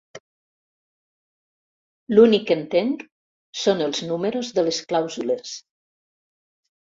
L'únic que entenc són els números de les clàusules.